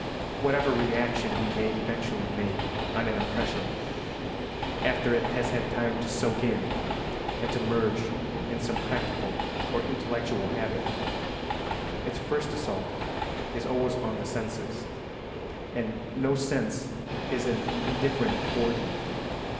Whatever reaction we may eventually make on an impression, after it has had time to soak in and to merge in some practical or intellectual habit, its first assault is always on the senses, and no sense is an indifferent organ.